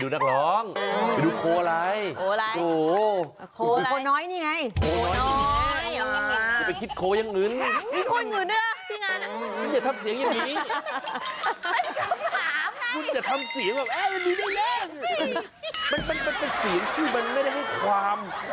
มันเป็นศีลที่มันไม่ได้ให้ความ